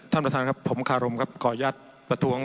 ท่านประธานครับผมข้ารมครับก่อญาติประทวง